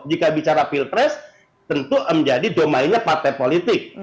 jika bicara pilpres tentu menjadi domainya pate politik